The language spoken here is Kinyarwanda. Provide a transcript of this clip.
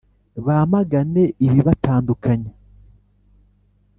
Bamagane ibibatandukanya